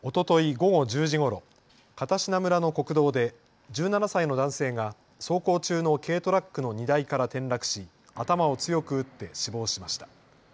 午後１０時ごろ、片品村の国道で１７歳の男性が走行中の軽トラックの荷台から転落し、頭を強く打って死亡しました。